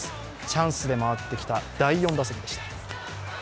チャンスで回ってきた第４打席でした。